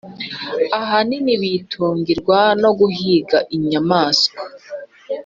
ahanini bitungirwa no guhiga inyamaswa.